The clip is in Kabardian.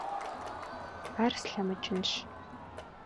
Ар слъэмыкӀынщ…